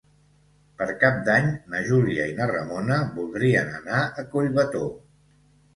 Per Cap d'Any na Júlia i na Ramona voldrien anar a Collbató.